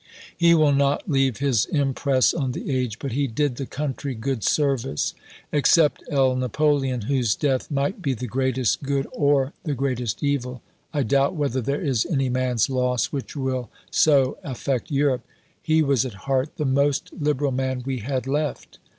He will not leave his impress on the age but he did the country good service. Except L. Napoleon, whose death might be the greatest good or the greatest evil, I doubt whether there is any man's loss which will so affect Europe.... He was at heart the most liberal man we had left.